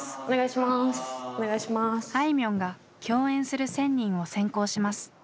お願いします。